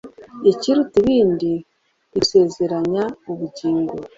ikiruta ibindi idusezeranya ubugingo